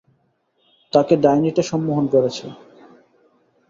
তাকে ডাইনীটা সম্মোহন করেছে।